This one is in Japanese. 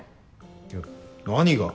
いや何が？